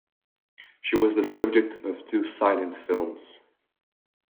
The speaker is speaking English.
She was the subject of two silent films.